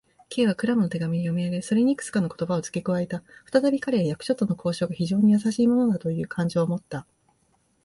Ｋ はクラムの手紙を読みあげ、それにいくつかの言葉をつけ加えた。ふたたび彼は、役所との交渉が非常にやさしいものなのだという感情をもった。